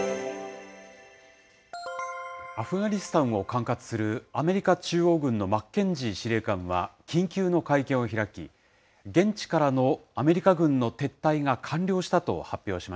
アフガニスタンを管轄するアメリカ中央軍のマッケンジー司令官は緊急の会見を開き、現地からのアメリカ軍の撤退が完了したと発表